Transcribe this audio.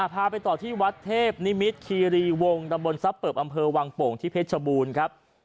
พาไปต่อที่วัดเทพนิมิตรคีรีวงตะบนทรัพย์เปิบอำเภอวังโป่งที่เพชรบูรณ์ครับ